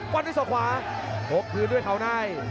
โค๊กคืนด้วยเขาใน